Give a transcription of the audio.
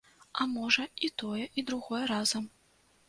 А можа, і тое і другое разам.